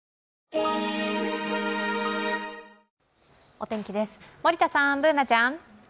お天気です、森田さん、Ｂｏｏｎａちゃん。